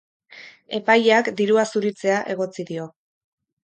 Epaileak dirua zuritzea egotzi dio.